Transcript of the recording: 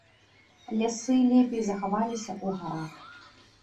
Лясы лепей захаваліся ў гарах.